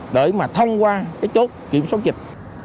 để mà thông qua chốt kiểm soát dịch